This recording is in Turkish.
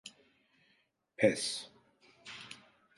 Pes…